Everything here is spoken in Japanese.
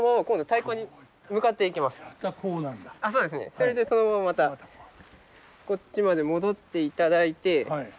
それでそのまままたこっちまで戻っていただいて。